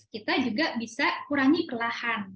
kita juga bisa kurangi perlahan